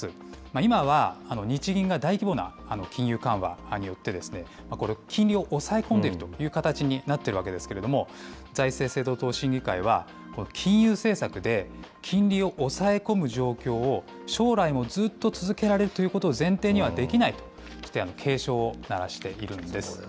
今は日銀が大規模な金融緩和によって、金利を抑え込んでいるという形になっているわけですけれども、財政制度等審議会は、この金融政策で金利を抑え込む状況を将来もずっと続けられるということを前提にはできないとして、警鐘を鳴らしているんです。